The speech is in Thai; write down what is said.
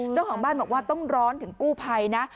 เจ้าของบ้านบอกว่าต้องร้อนถึงกู้ภัยนะ